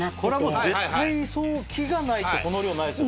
絶対木がないとこの量ない。